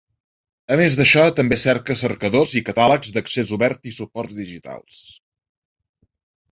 A més d'això, també cerca cercadors i catàlegs d'accés obert i suports digitals.